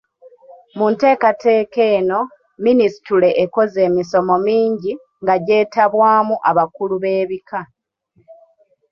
Mu nteekateeka eno, minisitule ekoze emisomo mingi nga gyetabwaamu abakulu b'ebika.